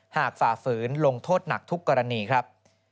ฝ่าฝืนลงโทษหนักทุกกรณีครับ